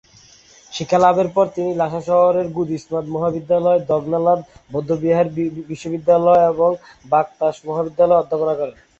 শিক্ষালাভের পর তিনি লাসা শহরের র্গ্যুদ-স্মাদ মহাবিদালয় এবং দ্গা'-ল্দান বৌদ্ধবিহার বিশ্ববিদ্যালয়ের ব্যাং-র্ত্সে মহাবিদ্যালয়ে অধ্যাপনা করেন।